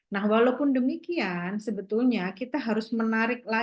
nah walaupun demikian sebetulnya kita harus menarik lagi